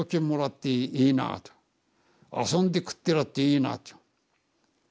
「遊んで食ってらっていいな」っていう。